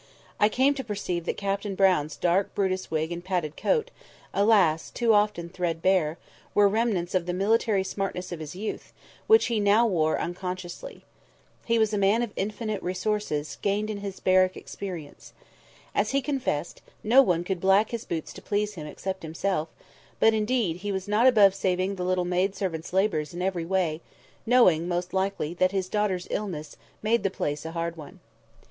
I came to perceive that Captain Brown's dark Brutus wig and padded coat (alas! too often threadbare) were remnants of the military smartness of his youth, which he now wore unconsciously. He was a man of infinite resources, gained in his barrack experience. As he confessed, no one could black his boots to please him except himself; but, indeed, he was not above saving the little maid servant's labours in every way—knowing, most likely, that his daughter's illness made the place a hard one.